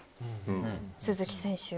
鈴木選手。